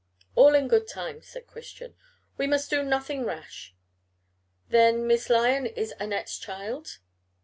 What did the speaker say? "All in good time," said Christian. "We must do nothing rash. Then Miss Lyon is Annette's child?"